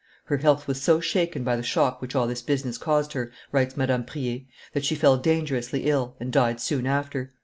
"Her health was so shaken by the shock which all this business caused her," writes Madame Prier, "that she fell dangerously ill, and died soon after."